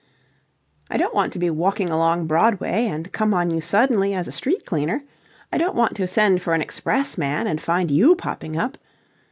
I don't want to be walking along Broadway and come on you suddenly as a street cleaner. I don't want to send for an express man and find you popping up.